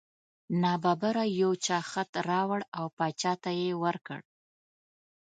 نا ببره یو چا خط راوړ او باچا ته یې ورکړ.